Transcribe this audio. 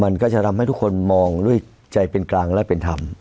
มันก็จะทำให้ทุกคนมองด้วยใจเป็นกลางและเป็นธรรม